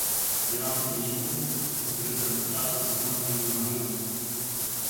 Dělám teď výjimku, protože tentokrát na seznamu není mnoho lidí.